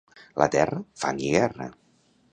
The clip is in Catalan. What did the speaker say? La terra?, fang i guerra.